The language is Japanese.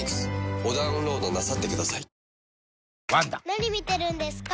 ・何見てるんですか？